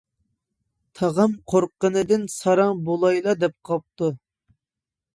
تاغام قورققىنىدىن ساراڭ بولايلا دەپ قاپتۇ.